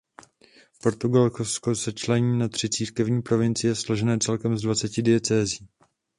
Portugalsko se člení na tři církevní provincie složené celkem z dvaceti diecézí.